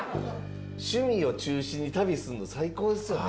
趣味を中心に旅すんの最高ですよね？